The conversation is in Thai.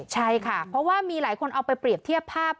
ใช่ค่ะเพราะว่ามีหลายคนเอาไปเปรียบเทียบภาพ